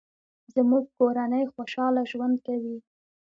زموږ کورنۍ خوشحاله ژوند کوي